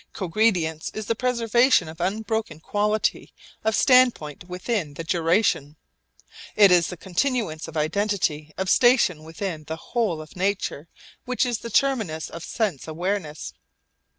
Cogredience is the preservation of unbroken quality of standpoint within the duration. It is the continuance of identity of station within the whole of nature which is the terminus of sense awareness.